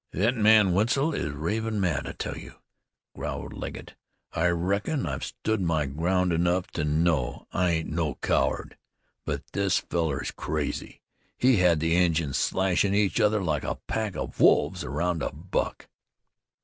"Thet man Wetzel is ravin' mad, I tell you," growled Legget. "I reckon I've stood my ground enough to know I ain't no coward. But this fellar's crazy. He hed the Injuns slashin' each other like a pack of wolves round a buck."